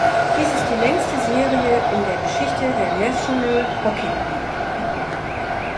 Dies ist die längste Serie in der Geschichte der National Hockey League.